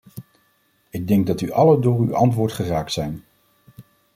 Ik denk dat allen door uw antwoord geraakt zijn.